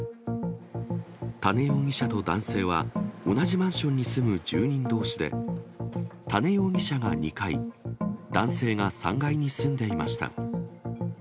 多禰容疑者と男性は、同じマンションに住む住人どうしで、多禰容疑者が２階、男性が３階に住んでいました。